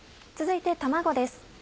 続いて卵です。